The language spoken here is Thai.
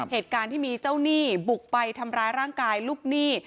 เหตุการณ์ที่มีเจ้าหนี้บุกไปทำร้ายร่างกายลูกหนี้